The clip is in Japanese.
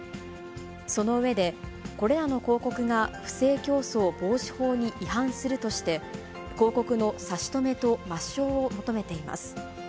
その上で、これらの広告が不正競争防止法に違反するとして、広告の差し止めと抹消を求めています。